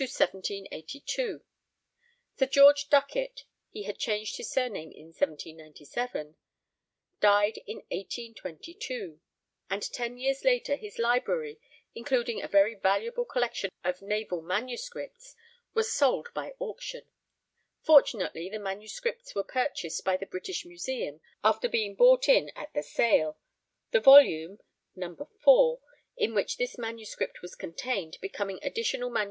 Sir George Duckett (he had changed his surname in 1797) died in 1822, and ten years later his library, including a very valuable collection of naval manuscripts, was sold by auction. Fortunately the manuscripts were purchased by the British Museum after being bought in at the sale; the volume (No. IV) in which this manuscript was contained becoming Additional MS.